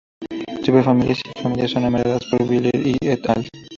Superfamilias y familias son enumeradas por Bieler "et al".